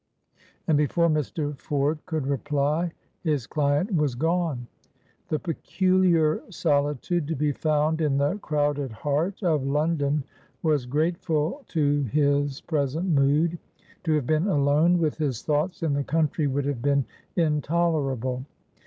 And before Mr. Ford could reply his client was gone. The peculiar solitude to be found in the crowded heart of London was grateful to his present mood. To have been alone with his thoughts in the country would have been intolerable.